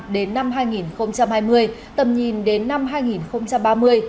đến năm hai nghìn hai mươi tầm nhìn đến năm hai nghìn ba mươi